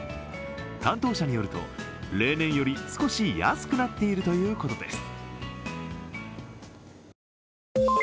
担当者によると、例年より少し安くなっているということです。